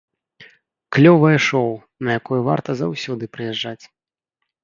Клёвае шоў, на якое варта заўсёды прыязджаць!